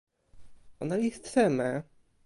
ona li seme?